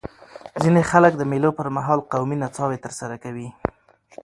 ځيني خلک د مېلو پر مهال قومي نڅاوي ترسره کوي.